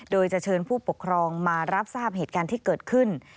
โดยจะเชิญผู้ปกครองมารับทราบเหตุการณ์ที่เกิดขึ้น